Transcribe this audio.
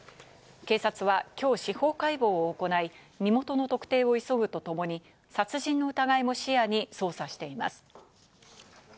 警察は今日、司法解剖を行い、身元の特定を急ぐとともに、殺人の疑いも視野に捜査しています。